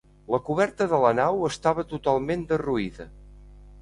La coberta de la nau estava totalment derruïda.